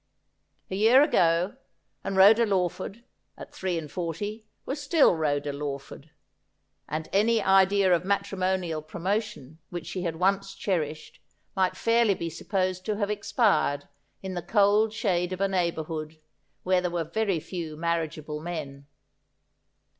A year ago, and Rhoda Lawford, at three and forty, was still Rhoda Lawford ; and any idea of matrimonial promotion which she had once cherished might fairly be supposed to have expired in the cold shade of a neighbourhood where there were very few marriageable men.